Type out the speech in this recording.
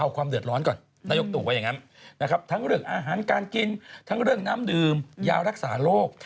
กว่าอย่างนั้นนะครับทั้งเรื่องอาหารการกินทั้งเรื่องน้ำดืมยารักษาโลก